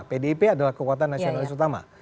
pdip adalah kekuatan nasionalis utama